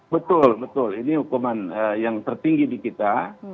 betul betul ini hukuman yang tertinggi di kita